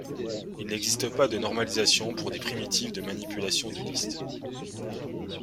Il n'existe pas de normalisation pour les primitives de manipulation de liste.